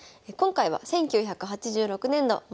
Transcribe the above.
今回は１９８６年度